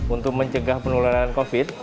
untuk mencegah penularan covid sembilan belas